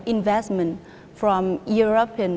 evfta là một trò chiến